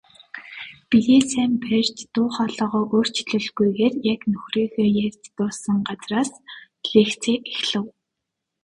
Биеэ сайн барьж, дуу хоолойгоо өөрчлөлгүйгээр яг нөхрийнхөө ярьж дууссан газраас лекцээ эхлэв.